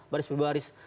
baris per baris